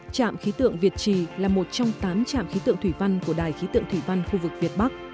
trạm khí tượng việt trì là một trong tám trạm khí tượng thủy văn của đài khí tượng thủy văn khu vực việt bắc